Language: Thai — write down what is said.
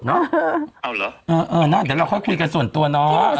เอาเหรอเออนั่นเดี๋ยวเราค่อยคุยกันส่วนตัวเนาะ